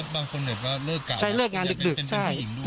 บางคนเดี๋ยวเริกงานเร็วเดี๋ยวเป็นผู้หญิงด้วย